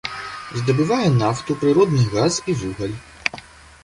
Здабывае нафту, прыродны газ і вугаль.